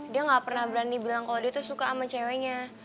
dia gak pernah berani bilang kalau dia tuh suka sama ceweknya